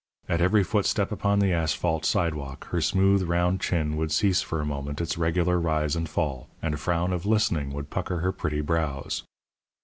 At every footstep upon the asphalt sidewalk her smooth, round chin would cease for a moment its regular rise and fall, and a frown of listening would pucker her pretty brows.